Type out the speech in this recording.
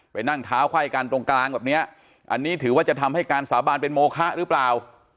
นั่งเท้าไข้กันตรงกลางแบบเนี้ยอันนี้ถือว่าจะทำให้การสาบานเป็นโมคะหรือเปล่า